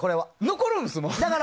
残るんですもん。